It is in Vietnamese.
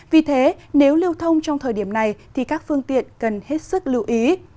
vì thế nếu lưu thông trong thời điểm này thì các phương tiện cần hết sức lưu ý